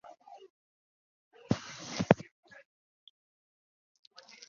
学校约有两千余名学生。